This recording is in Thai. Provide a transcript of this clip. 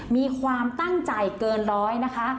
มีความตั้งใจเกินร้อยนะคะ